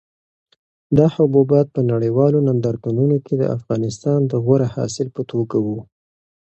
دا حبوبات په نړیوالو نندارتونونو کې د افغانستان د غوره حاصل په توګه وو.